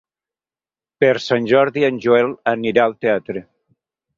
Per Sant Jordi en Joel anirà al teatre.